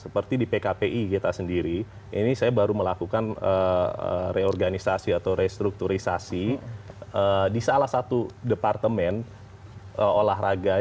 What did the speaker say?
seperti di pkpi kita sendiri ini saya baru melakukan reorganisasi atau restrukturisasi di salah satu departemen olahraga